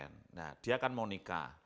nah dia kan mau nikah